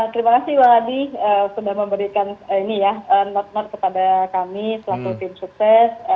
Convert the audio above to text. terima kasih pak adi sudah memberikan notemat kepada kami selaku tim sukses